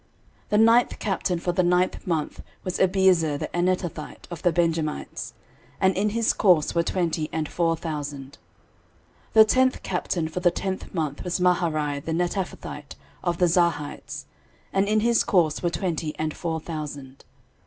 13:027:012 The ninth captain for the ninth month was Abiezer the Anetothite, of the Benjamites: and in his course were twenty and four thousand. 13:027:013 The tenth captain for the tenth month was Maharai the Netophathite, of the Zarhites: and in his course were twenty and four thousand.